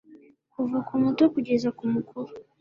kuva ku muto kugeza ku mukuru